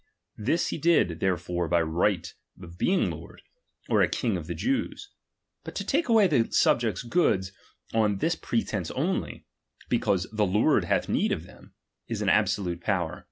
This he did ^H therefore by the right of being lord, or a king of ^H the Jews. But to take away a subject's goods on ^H this pretence only, because the Lord hath need of ^H them, is an absolute power.